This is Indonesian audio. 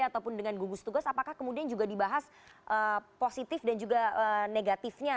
ataupun dengan gugus tugas apakah kemudian juga dibahas positif dan juga negatifnya